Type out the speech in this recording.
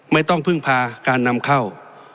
ไม่ต้องพึ่งพาการนำเข้า